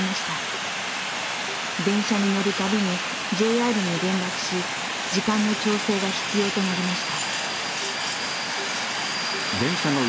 電車に乗る度にＪＲに連絡し時間の調整が必要となりました。